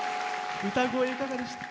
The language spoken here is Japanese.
歌声、いかがでした？